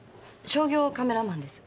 商業カメラマンです。